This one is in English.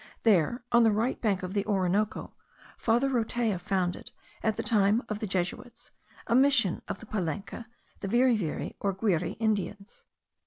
There, on the right bank of the Orinoco, Father Rotella founded, in the time of the Jesuits, a Mission of the Palenka and Viriviri or Guire Indians.